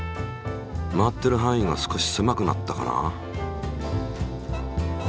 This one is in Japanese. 回っている範囲が少し狭くなったかな？